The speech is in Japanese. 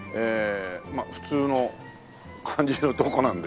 まあ普通の感じのとこなので。